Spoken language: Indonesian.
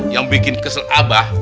yang bikin kesel abah